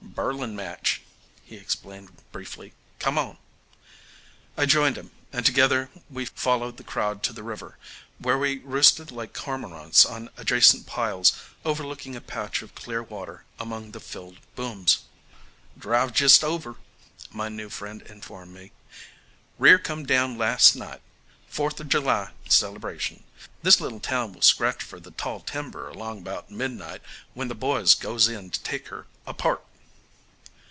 "Birling match," he explained briefly. "Come on." I joined him, and together we followed the crowd to the river, where we roosted like cormorants on adjacent piles overlooking a patch of clear water among the filled booms. "Drive's just over," my new friend informed me. "Rear come down last night. Fourther July celebration. This little town will scratch fer th' tall timber along about midnight when the boys goes in to take her apart."